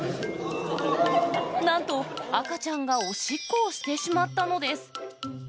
なんと赤ちゃんがおしっこをしてしまったのです。